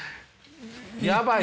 やばいぞ。